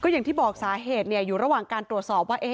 อย่างที่บอกสาเหตุอยู่ระหว่างการตรวจสอบว่า